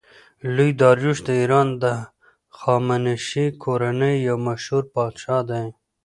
لوی داریوش د ایران د هخامنشي کورنۍ یو مشهور پادشاه دﺉ.